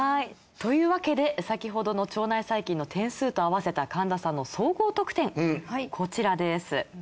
というわけで先ほどの腸内細菌の点数と合わせた神田さんの総合得点こちらです。